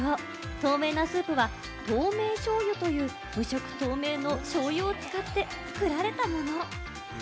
透明なスープは透明醤油という無色透明の醤油を使って作られたもの。